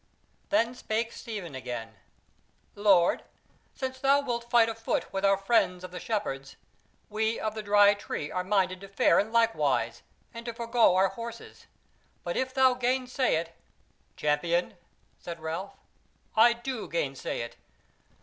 Then spake Stephen again: "Lord, since thou wilt fight afoot with our friends of the Shepherds, we of the Dry Tree are minded to fare in like wise and to forego our horses; but if thou gainsay it " "Champion," said Ralph, "I do gainsay it.